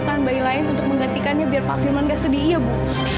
aku meminta bayi lain untuk menggantikannya biar pak firman nggak sedih iya bu